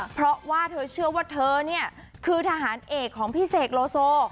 เพราะว่าเธอเชื่อว่าเธอเนี่ยคือทหารเอกของพี่เสกโลโซ